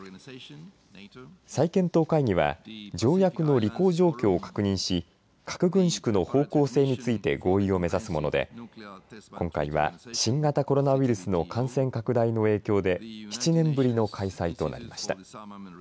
再検討会議は条約の履行状況を確認し核軍縮の方向性について合意を目指すもので今回は、新型コロナウイルスの感染拡大の影響で７年ぶりの開催となりました。